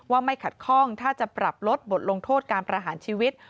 ไม่ขัดข้องถ้าจะปรับลดบทลงโทษการประหารชีวิต